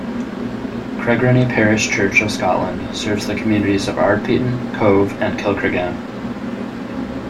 Craigrownie Parish Church of Scotland serves the communities of Ardpeaton, Cove and Kilcreggan.